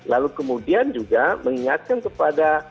lalu kemudian juga mengingatkan kepada